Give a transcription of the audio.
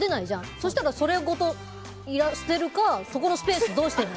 そうしたら、それごと捨てるかそこのスペースどうしてるの？